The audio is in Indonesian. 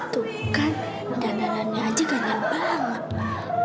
tuh kan dandanannya aja gajah banget